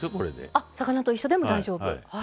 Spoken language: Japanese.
あ魚と一緒でも大丈夫。